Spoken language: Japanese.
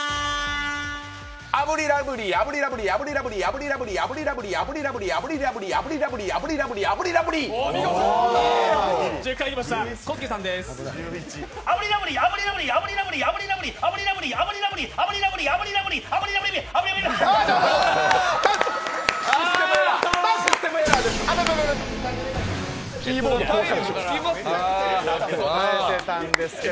炙りラブリー炙りラブリー炙りラブリー炙りラブリー炙りラブリー炙りラブリー、炙りラブリー、炙りラブリー、炙りラブリー、炙りラブリーあびびシステムエラーです！